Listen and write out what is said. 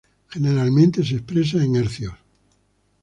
Generalmente se expresa en Hz.